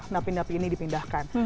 napi napi ini dipindahkan